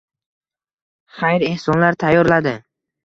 Xayr-ehsonlar tayyorladi.